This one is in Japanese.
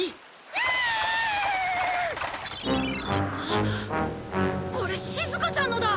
あっこれしずかちゃんのだ。